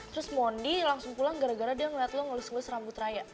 terus modi langsung pulang gara gara dia ngeliat lo ngelus ngelus rambut raya